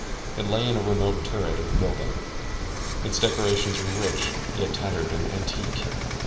It lay in a remote turret of the building. Its decorations were rich, yet tattered and antique.